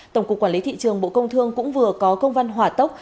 tổng cục quản lý thị trường bộ công thương cũng vừa có công văn hỏa tốc